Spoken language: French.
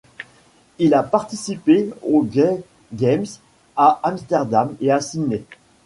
Il a participé aux Gay Games à Amsterdam et à Sydney.